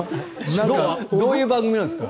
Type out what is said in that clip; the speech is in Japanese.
どういう番組ですか？